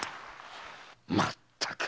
まったく。